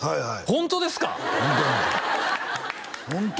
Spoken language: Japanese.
ホントですか？